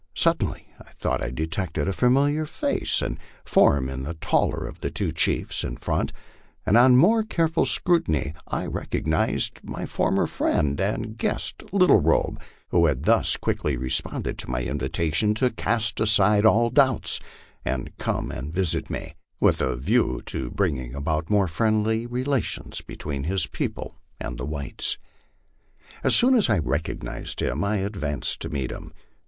Suddenly I thought I detected a familiar face and form in the taller of the t\vo chiefs in front, and on more careful scrutiny I recognized my former friend and guest Little Robe, who had thus quickly responded to my invitation to cast aside all doubts and come and visit me, with a view to bringing about more friendly relations between his people and the whites. As soon as I recognized him I advanced to meet him.